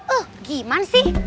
eh gimana sih